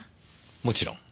もちろん。